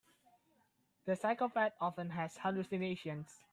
The psychopath often has hallucinations.